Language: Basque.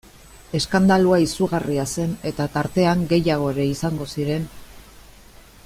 Eskandalua izugarria zen eta tartean gehiago ere izango ziren...